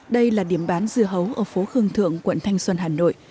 đây là điểm bán dưa hấu ở phố khương thượng quận thanh xuân hà nội